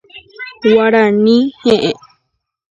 Guarani he'ẽ.